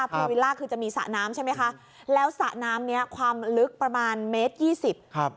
ภูวิลล่าคือจะมีสระน้ำใช่ไหมคะแล้วสระน้ำเนี้ยความลึกประมาณเมตรยี่สิบครับ